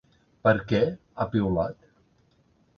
Per què?, ha piulat.